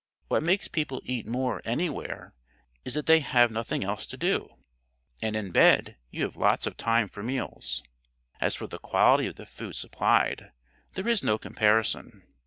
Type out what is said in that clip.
What makes people eat more anywhere is that they have nothing else to do, and in bed you have lots of time for meals. As for the quality of the food supplied, there is no comparison.